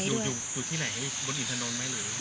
อยู่ที่ไหนอยู่บนอีนทนนไหมเหรอ